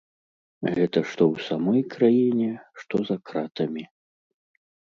Гэта што ў самой краіне, што за кратамі.